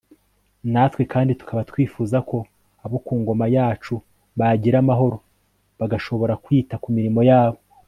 natwe kandi tukaba twifuza ko abo ku ngoma yacu bagira amahoro bagashobora kwita ku mirimo yabo